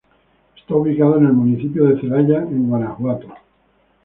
Está ubicado en el municipio de Celaya en Guanajuato.